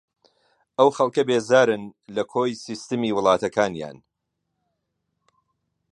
ئەو خەڵکە بێزارن لە کۆی سیستەمی وڵاتەکانیان